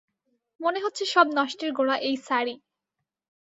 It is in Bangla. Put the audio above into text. মনে হচ্ছে সব নষ্টের গোড়া এই স্যারই।